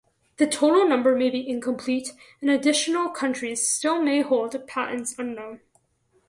The total number may be incomplete and additional countries still may hold patents unknown.